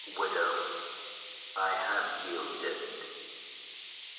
WIDOW. I have yielded.